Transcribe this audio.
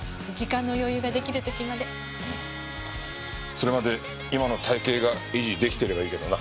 それまで今の体形が維持できていればいいけどな。